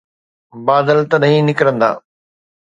بادل تڏهن ئي نڪرندا.